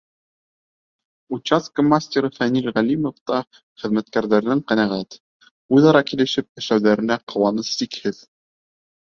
Участка мастеры Фәнил Ғәлимов та хеҙмәткәрҙәренән ҡәнәғәт, үҙ-ара килешеп эшләүҙәренә ҡыуанысы сикһеҙ.